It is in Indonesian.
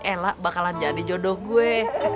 ella bakalan jadi jodoh gue